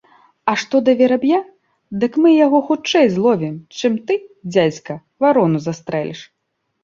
А што да вераб'я, дык мы яго хутчэй зловім, чым ты, дзядзька, варону застрэліш.